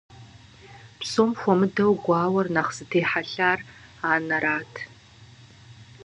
Псом хуэмыдэу гуауэр нэхъ зытехьэлъар анэрат.